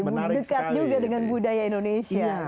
dekat juga dengan budaya indonesia